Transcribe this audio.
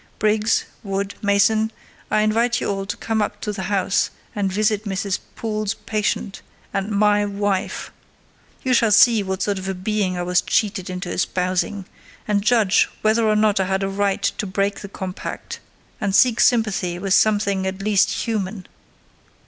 Briggs, Wood, Mason, I invite you all to come up to the house and visit Mrs. Poole's patient, and my wife! You shall see what sort of a being I was cheated into espousing, and judge whether or not I had a right to break the compact, and seek sympathy with something at least human.